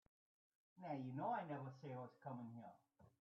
You know I didn't tell anybody I was coming here.